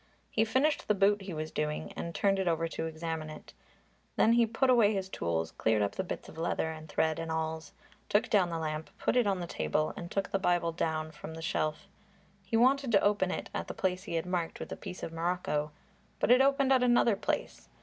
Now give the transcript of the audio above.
He finished the boot he was doing and turned it over to examine it. He then put away his tools, cleared up the bits of leather and thread and awls, took down the lamp, put it on the table and took the Bible down from the shelf. He wanted to open it at the place he had marked with a piece of morocco, but it opened at another place.